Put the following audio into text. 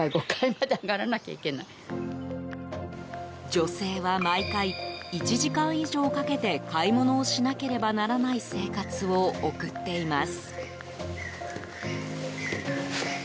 女性は毎回、１時間以上かけて買い物をしなければならない生活を送っています。